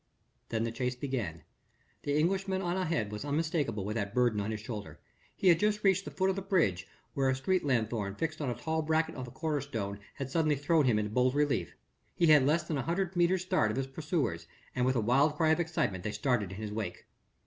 Then the chase began. The Englishman on ahead was unmistakable with that burden on his shoulder. He had just reached the foot of the bridge where a street lanthorn fixed on a tall bracket on the corner stone had suddenly thrown him into bold relief. He had less than an hundred metres start of his pursuers and with a wild cry of excitement they started in his wake.